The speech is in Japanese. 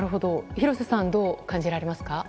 廣瀬さん、どう感じられますか？